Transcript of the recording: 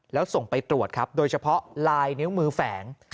แล้วส่งไปตรวจครับโดยเฉพาะลายนิ้วมือแฝง